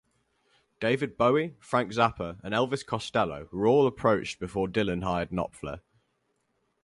David Bowie, Frank Zappa, and Elvis Costello were all approached before Dylan hired Knopfler.